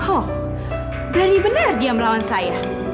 oh berani benar dia melawan saya